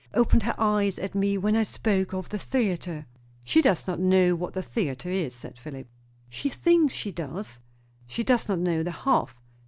opened her eyes at me when I spoke of the theatre." "She does not know what the theatre is," said Philip. "She thinks she does." "She does not know the half."